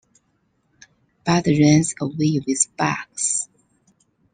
Bud runs away with Bugs.